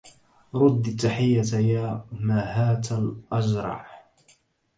ردي التحية يا مهاة الأجرع